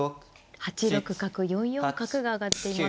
８六角４四角が挙がっています。